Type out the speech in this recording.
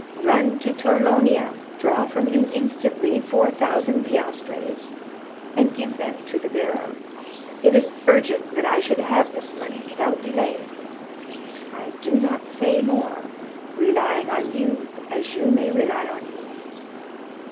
Run to Torlonia, draw from him instantly four thousand piastres, and give them to the bearer. It is urgent that I should have this money without delay. I do not say more, relying on you as you may rely on me.